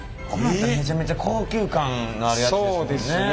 めちゃめちゃ高級感あるやつですもんね。